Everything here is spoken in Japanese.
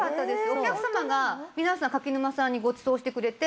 お客さまが皆さん柿沼さんにごちそうしてくれて。